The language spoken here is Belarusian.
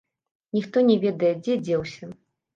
Ніхто не ведае, дзе дзеўся.